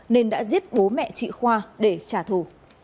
nên đã giết bố mẹ chị khoa để trả thù